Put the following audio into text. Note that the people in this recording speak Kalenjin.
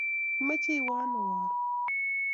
Imache iwe ano karoon?